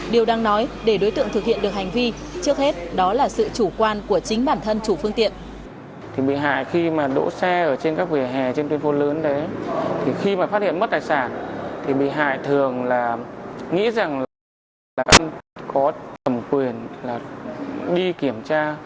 điều đang nói để đối tượng thực hiện được hành vi trước hết đó là sự chủ quan của chính bản thân chủ phương tiện